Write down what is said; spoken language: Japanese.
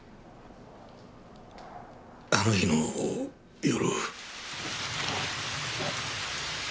あの日の夜。